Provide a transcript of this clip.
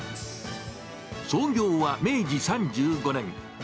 創業は明治３５年。